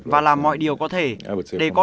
và làm mọi điều có thể để